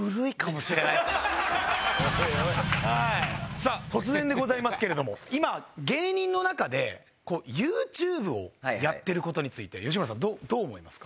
さあ突然でございますけれども今芸人の中でこうＹｏｕＴｕｂｅをやってる事について吉村さんどう思いますか？